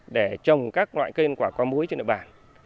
để trồng các loại cây ăn quả có mối trên địa bàn